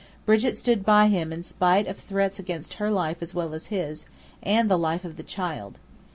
Brigit stood by him in spite of threats against her life as well as his, and the life of the child.